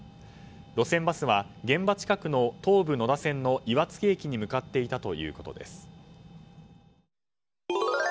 路線バスは現場近くの東武野田線の岩槻駅に向かっていたということです。